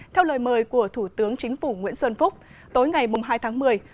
theo lời mời của thủ tướng chính phủ nguyễn xuân phúc tối ngày hai tháng một mươi